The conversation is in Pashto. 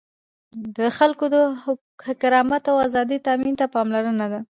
د خلکو د کرامت او آزادیو تأمین ته پاملرنه ده.